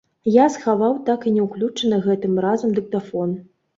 Я схаваў так і не ўключаны гэтым разам дыктафон.